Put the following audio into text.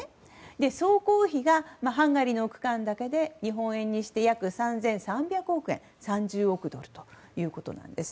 総工費がハンガリーの区間だけで日本円にして約３３００億円３０億ドルということなんです。